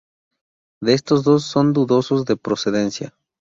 De estos, dos son dudosos de procedencia.